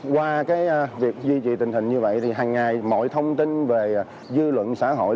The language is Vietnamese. qua việc duy trì tình hình như vậy thì hằng ngày mọi thông tin về dư luận xã hội